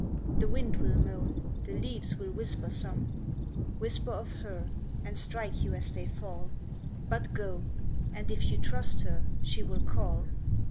The wind will moan, the leaves will whisper some Whisper of her, and strike you as they fall; But go, and if you trust her she will call.